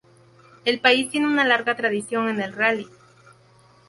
El país tiene una larga tradición en el rally.